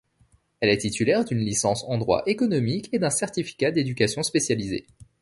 Elle est titulaire d'une licence en droit économique et d'un certificat d'éducation spécialisée.